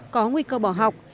có nguy cơ bỏ học